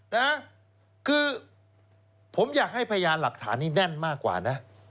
นะคือผมอยากให้พยานหลักฐานนี้แน่นมากกว่านะ